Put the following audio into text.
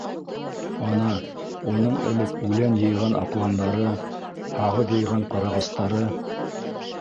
Ана, уның элек үлән йыйған аҡландары, һағыҙ йыйған ҡарағастары.